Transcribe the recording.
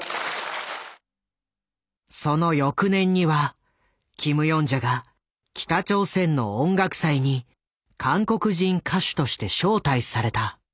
その翌年にはキム・ヨンジャが北朝鮮の音楽祭に韓国人歌手として招待された。